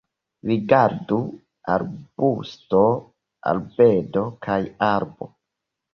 Rigardu: arbusto, arbedo kaj arbo.